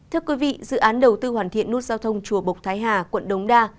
thưa quý vị dự án đầu tư hoàn thiện nút giao thông chùa bộc thái hà quận đống đa